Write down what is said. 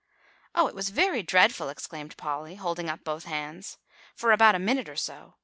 "Oh, it was very dreadful!" exclaimed Polly, holding up both hands, "for about a minute or so.